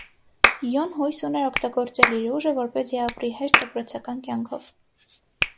Յուն հույս ուներ օգտագործել իր ուժը, որպեսզի ապրի հեշտ դպրոցական կյանքով։